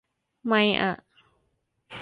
ไมอ่ะ